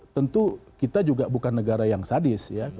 tentu kita juga bukan negara yang sadis ya